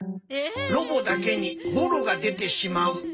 ロボだけにボロが出てしまう。